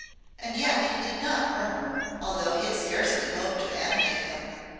And yet he did not murmur, although he had scarcely hope to animate him.